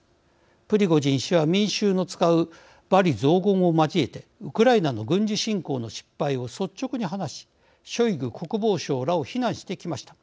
プリゴジン氏は、民衆の使う罵詈雑言を交えてウクライナの軍事侵攻の失敗を率直に話しショイグ国防相らを非難してきました。